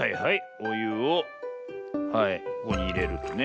おゆをはいここにいれるとね。